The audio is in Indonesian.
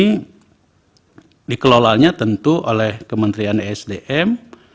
ini dikelolanya tentu oleh kementerian esdm